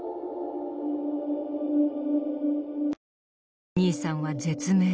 ギー兄さんは絶命。